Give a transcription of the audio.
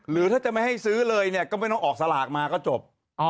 หรือถ้าจะไม่ให้ซื้อเลยเนี่ยก็ไม่ต้องออกสลากมาก็จบ